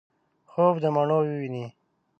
خوب دمڼو وویني